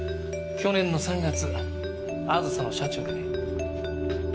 去年の３月あずさの車中でね。